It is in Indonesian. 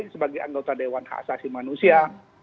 sebagai anggota dewan hak asasi manusia